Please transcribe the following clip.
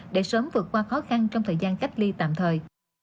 để sớm vượt qua khó khăn trong thời gian cách ly tạm thời